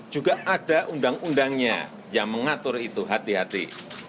juga ada undang undangnya yang mengatur itu hati hati